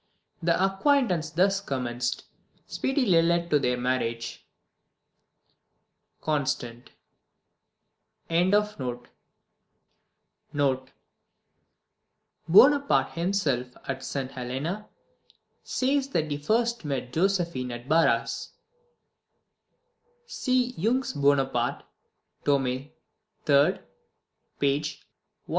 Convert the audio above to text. The acquaintance thus commenced speedily led to their marriage." Constant] [Bonaparte himself, at St. Helena, says that he first met Josephine at Barras' (see Jung's Bonaparte, tome iii. p. 116).